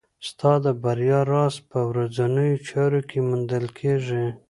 ستا د بریا راز په ورځنیو چارو کې موندل کېږي.